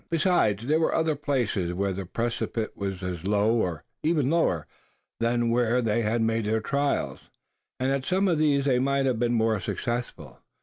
Besides, there were other places where the precipice was as low, and even lower, than where they had made the trials; and at some of these they might have been more successful.